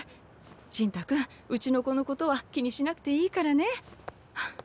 信太君うちの子のことは気にしなくていいからね。